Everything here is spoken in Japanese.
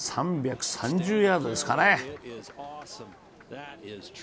３３０ヤードですかね。